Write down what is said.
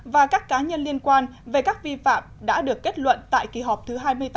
và các cá nhân liên quan về các vi phạm đã được kết luận tại kỳ họp thứ hai mươi tám